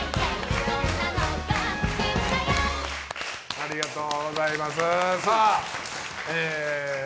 ありがとうございます。